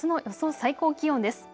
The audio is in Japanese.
最高気温です。